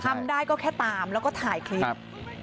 ทำได้ก็แค่ตามแล้วก็ถ่ายคลิป